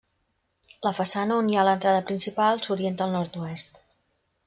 La façana on hi ha l'entrada principal s'orienta al nord-oest.